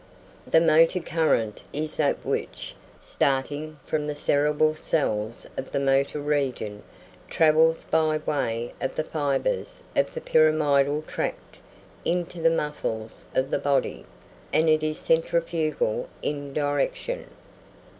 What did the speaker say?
The motor current is that which, starting from the cerebral cells of the motor region, travels by way of the fibres of the pyramidal tract into the muscles of the body; and it is centrifugal in direction.